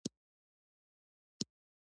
که دې خرو په سر کي لږ عقل لرلای